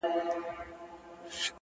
چي ته به يې په کومو صحفو; قتل روا کي;